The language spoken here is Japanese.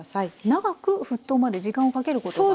長く沸騰まで時間をかけることが。